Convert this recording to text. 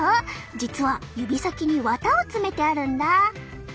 実は指先に綿を詰めてあるんだ。